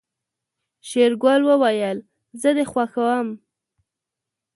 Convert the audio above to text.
شېرګل وويل زه دې خوښوم.